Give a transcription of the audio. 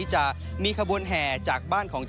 สวัสดีครับทุกคน